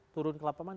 turun ke lapangan